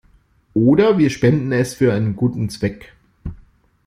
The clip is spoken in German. Oder wir spenden es für einen guten Zweck.